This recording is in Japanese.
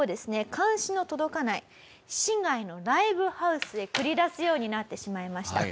監視の届かない市外のライブハウスへ繰り出すようになってしまいました。